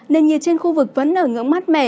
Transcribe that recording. nền nhiệt trên khu vực vẫn ở ngưỡng mát mẻ